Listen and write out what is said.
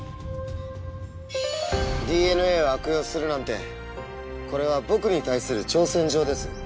ＤＮＡを悪用するなんてこれは僕に対する挑戦状です。